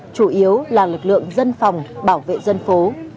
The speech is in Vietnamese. chủ yếu là lực lượng dân phòng bảo vệ dân phố